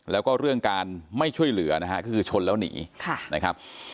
แล้วก็เรื่องการไม่ช่วยเหลือนะฮะก็คือชนแล้วหนีนะครับ